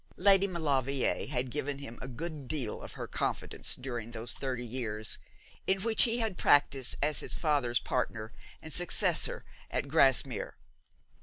Lady Maulevrier had given him a good deal of her confidence during those thirty years in which he had practised as his father's partner and successor at Grasmere.